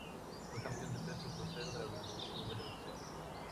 Fue campeón de peso crucero de la Organización Mundial de Boxeo.